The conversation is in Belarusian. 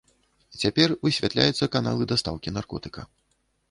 Цяпер высвятляюцца каналы дастаўкі наркотыка.